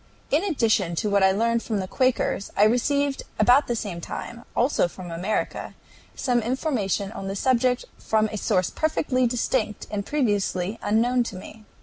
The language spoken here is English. In addition to what I learned from the Quakers I received about the same time, also from America, some information on the subject from a source perfectly distinct and previously unknown to me.